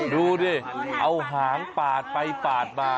ดูดิเอาหางปาดไปปาดมา